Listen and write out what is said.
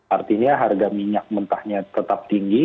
artinya harga minyak mentahnya tetap tinggi